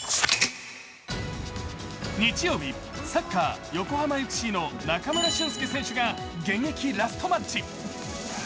日曜日、サッカー、横浜ＦＣの中村俊輔選手が現役ラストマッチ。